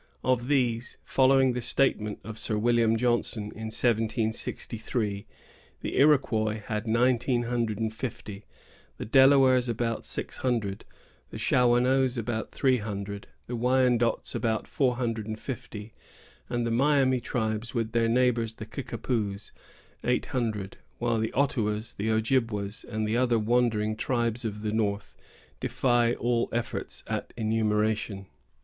Of these, following the statement of Sir William Johnson, in 1763, the Iroquois had nineteen hundred and fifty, the Delawares about six hundred, the Shawanoes about three hundred, the Wyandots about four hundred and fifty, and the Miami tribes, with their neighbors the Kickapoos, eight hundred; while the Ottawas, the Ojibwas, and other wandering tribes of the north, defy all efforts at enumeration.